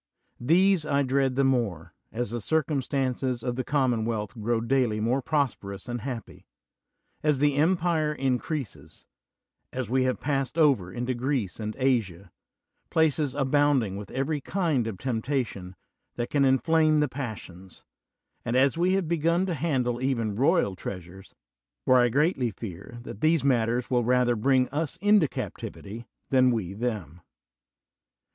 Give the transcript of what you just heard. These I dread the more, as the circumstances of the common wealth grow daily more prosperous and happy; as the empire increases; as we have passed over into Greece and Asia, places abounding with every kind of temptation that can inflame the passions; and as we have begun to handle even royal treasures: for I greatly fear that these matters will rather bring us into captivity than we them.